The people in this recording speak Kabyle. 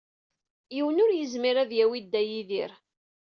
Yiwen ur yezmir ad yawey Dda Yidir.